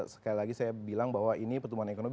sekali lagi saya bilang bahwa ini pertumbuhan ekonomi